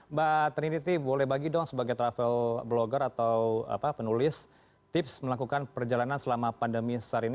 mbak trinity boleh bagi dong sebagai travel blogger atau penulis tips melakukan perjalanan selama pandemi sehari ini